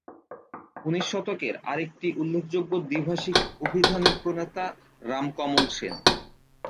উনিশ শতকের আর একটি উল্লেখযোগ্য দ্বিভাষিক অভিধানের প্রণেতা রামকমল সেন।